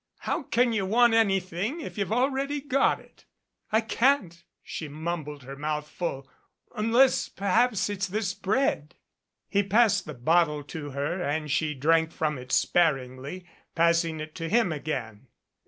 "How can you want any thing if you've already got it?" "I can't," she mumbled, her mouth full, "unless per haps it's this bread." He passed the bottle to her and she drank from it sparingly, passing it to him again.